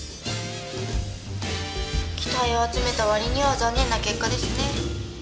期待を集めたわりには残念な結果ですね。